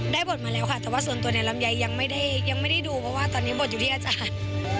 ได้บทมาแล้วค่ะแต่ว่าส่วนตัวเนี่ยลำไยยังไม่ได้ดูเพราะว่าตอนนี้บทอยู่ที่อาจารย์